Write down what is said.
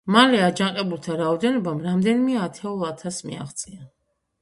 მალე აჯანყებულთა რაოდენობამ რამდენიმე ათეულ ათასს მიაღწია.